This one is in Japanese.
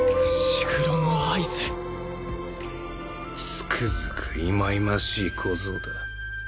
つくづく忌々しい小僧だ。